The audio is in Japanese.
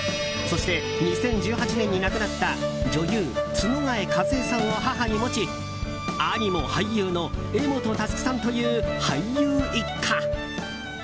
そして２０１８年に亡くなった女優・角替和枝さんを母に持ち兄も俳優の柄本佑さんという俳優一家。